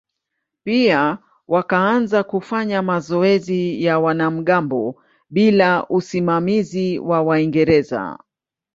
Pia wakaanza kufanya mazoezi ya wanamgambo bila usimamizi wa Waingereza.